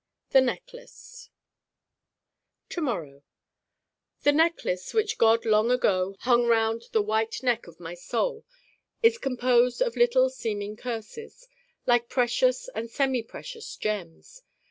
The necklace To morrow The Necklace which God long ago hung round the white neck of my Soul is composed of little seeming curses, like precious and semi precious gems.